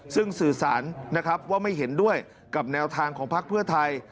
ซึ่งสื่อสารนะครับว่าไม่เห็นด้วยกับแนวทางของพักเพื่อไทย